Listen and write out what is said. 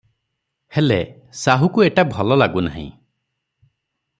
ହେଲେ; ସାହୁକୁ ଏଟା ଭଲ ଲାଗୁନାହିଁ ।